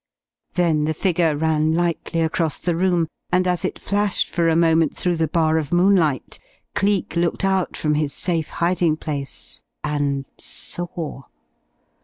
Then the figure ran lightly across the room, and as it flashed for a moment through the bar of moonlight, Cleek looked out from his safe hiding place and saw!